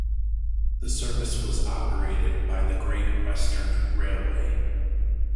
The service was operated by the Great Western Railway.